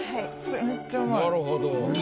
めっちゃ上手い。